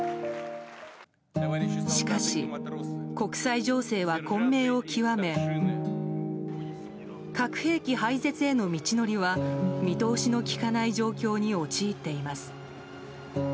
しかし、国際情勢は混迷を極め核兵器廃絶への道のりは見通しのきかない状況に陥っています。